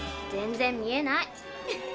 全然見えない。